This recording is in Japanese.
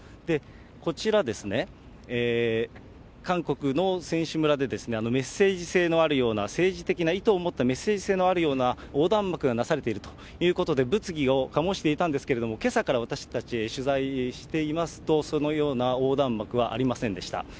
こちら、韓国の選手村で、メッセージ性のあるような、政治的な意図を持ったメッセージ性のあるような横断幕がなされているということで、物議を醸していたんですけれども、けさから私たち取材していますと、そのような横断幕はありませんでした。